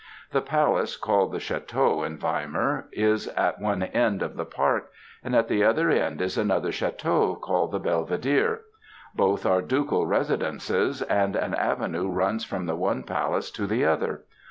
The palace, called the Château, in Weimar, is at one end of the park, and at the other end is another château, called the Belvedere; both are ducal residences, and an avenue runs from the one palace to the other.